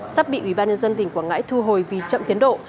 sắp bị ủy ban nhân dân tỉnh quảng ngãi thu hồi vì chậm tiến độ